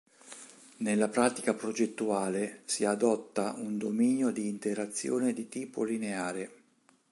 Nella pratica progettuale, si adotta un dominio di interazione di tipo lineare.